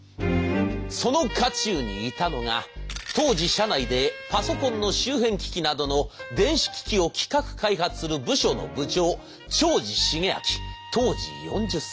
その渦中にいたのが当時社内でパソコンの周辺機器などの電子機器を企画開発する部署の部長長司重明当時４０歳。